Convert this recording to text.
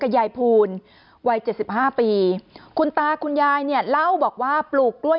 กับยายภูนย์วัย๗๕ปีคุณตาคุณยายเนี่ยเล่าบอกว่าปลูกกล้วย